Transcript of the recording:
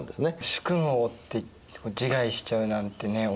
主君を追って自害しちゃうなんてね驚きだよね。